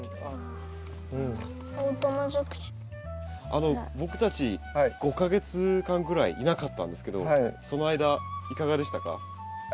あの僕たち５か月間ぐらいいなかったんですけどその間いかがでしたか？